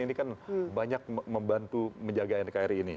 ini kan banyak membantu menjaga nkri ini